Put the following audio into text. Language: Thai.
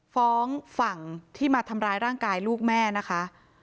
ฝั่งที่มาทำร้ายร่างกายลูกแม่นะคะ